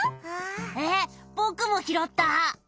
えっぼくもひろった。